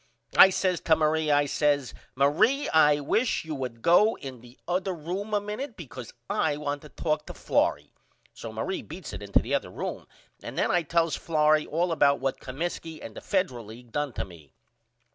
I says to Marie I says Marie I wish you would go in the other room a minute because I want to talk to Florrie. So Marie beats it into the other room and then I tells Florrie all about what Comiskey and the Federal League done to me.